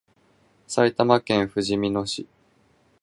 埼玉県ふじみ野市